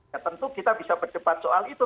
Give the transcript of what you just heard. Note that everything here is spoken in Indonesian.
ya tentu kita bisa bercepat soal itu